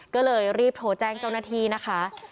ก็เลยรีบโทรแจ้งเจ้าหน้าที่นะคะ